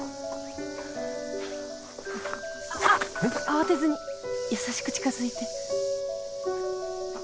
慌てずに優しく近づいて。